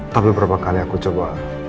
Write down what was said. tapi berapa kali aku coba